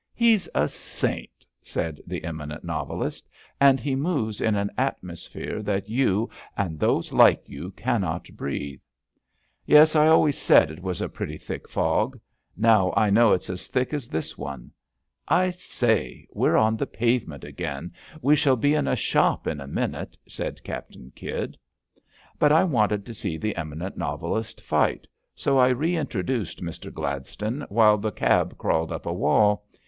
He's a saint," said the eminent novelist, and he moves in an atmosphere that you and those like you cannot breathe." Yes, I always said it was a pretty thick fog. Now I know it's as thick as this one. I say, we're on the pavement again; we shall be in a shop in a minute," said Captain Kydd. But I wanted to see the eminent novelist fight, so I reintroduced Mister Gladstone while the cab crawled up a wall.